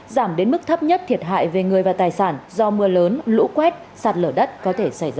giảm đến mức thấp nhất thiệt hại về người và tài sản do mưa lớn lũ quét sạt lở đất có thể xảy ra